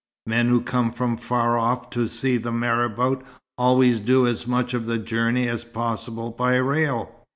Men who come from far off to see the marabout always do as much of the journey as possible by rail.